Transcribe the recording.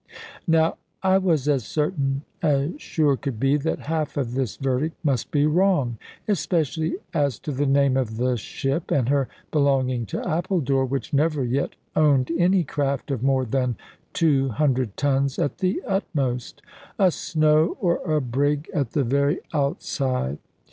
Now I was as certain, as sure could be, that half of this verdict must be wrong; especially as to the name of the ship, and her belonging to Appledore, which never yet owned any craft of more than 200 tons at the utmost a snow, or a brig at the very outside.